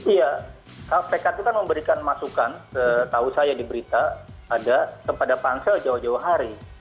iya kpk itu kan memberikan masukan setahu saya di berita ada kepada pansel jauh jauh hari